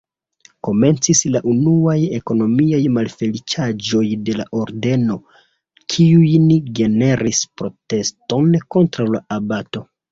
Komencis la unuaj ekonomiaj malfacilaĵoj de la Ordeno kiujn generis proteston kontraŭ la abato.